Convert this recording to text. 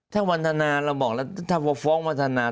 ถ้าวันทนาเราบอกแล้วถ้าว่าฟ้องวัฒนา